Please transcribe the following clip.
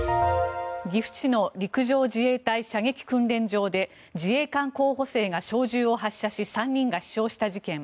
岐阜市の陸上自衛隊射撃訓練場で自衛官候補生が小銃を発射し３人が死傷した事件。